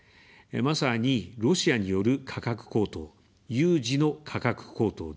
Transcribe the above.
まさに、ロシアによる価格高騰、有事の価格高騰です。